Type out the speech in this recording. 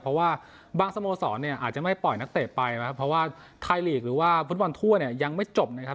เพราะว่าบางสโมสรเนี่ยอาจจะไม่ปล่อยนักเตะไปนะครับเพราะว่าไทยลีกหรือว่าฟุตบอลทั่วเนี่ยยังไม่จบนะครับ